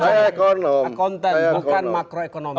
saya konten bukan makroekonomis